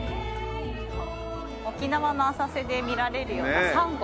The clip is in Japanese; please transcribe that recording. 沖縄の浅瀬で見られるようなサンゴ。